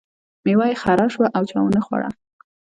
میوه یې خره شوه او چا ونه خوړه.